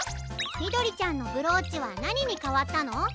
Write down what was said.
みどりちゃんのブローチはなににかわったの？